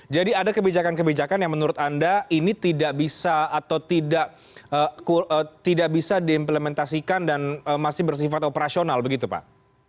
jadi ada kebijakan kebijakan yang menurut anda ini tidak bisa atau tidak bisa diimplementasikan dan masih bersifat operasional begitu pak